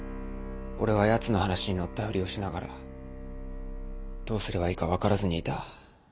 俺はヤツの話に乗ったふりをしながらどうすればいいか分からずにいた。